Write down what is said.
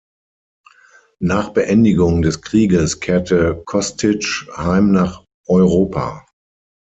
Nach Beendigung des Krieges kehrte Kostić heim nach Europa.